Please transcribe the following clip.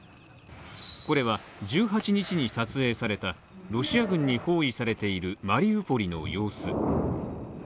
これは、１８日に撮影されたロシア軍に包囲されているマリウポリの様子。